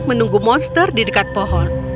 dia menangkap monster di dekat pohon